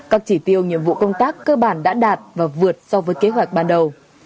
các chỉ tiêu nhiệm vụ công tác cơ bản đã đạt và vượt so với kế hoạch ban đầu